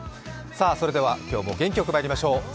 さぁ、それでは今日も元気よくまいりましょう。